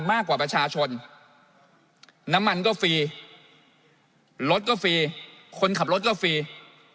มากกว่าประชาชนน้ำมันก็ฟรีรถก็ฟรีคนขับรถก็ฟรี